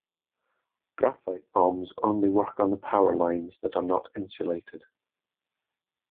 Graphite bombs only work on power lines that are not insulated.